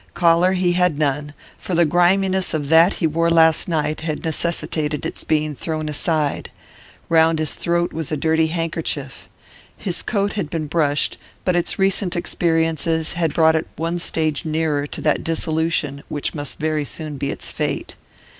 Collar he had none, for the griminess of that he wore last night had necessitated its being thrown aside; round his throat was a dirty handkerchief. His coat had been brushed, but its recent experiences had brought it one stage nearer to that dissolution which must very soon be its fate.